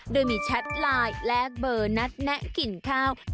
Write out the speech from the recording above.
โดยมีแชทไลน์แลกเบอร์นัดแนะกินข้าว